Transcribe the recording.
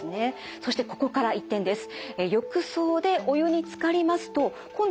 そしてここから一転です。